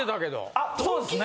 あそうですね。